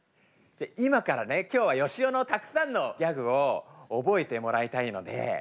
じゃあ今からね今日はよしおのたくさんのギャグを覚えてもらいたいので。